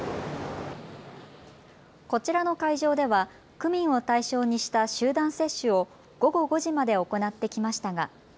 こちらの会場では区民を対象にした集団接種を午後５時まで行ってきましたが。